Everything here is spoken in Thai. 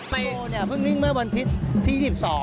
ไปโตเนี่ยเพิ่งนิ่งเมื่อวันทิศที่๒๒